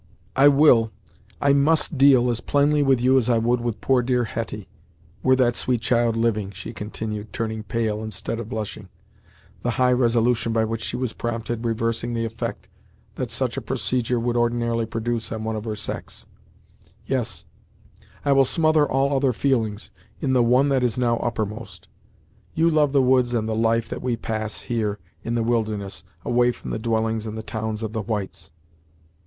"I will I must deal as plainly with you, as I would with poor, dear Hetty, were that sweet child living!" she continued, turning pale instead of blushing, the high resolution by which she was prompted reversing the effect that such a procedure would ordinarily produce on one of her sex; "yes, I will smother all other feelings, in the one that is now uppermost! You love the woods and the life that we pass, here, in the wilderness, away from the dwellings and towns of the whites."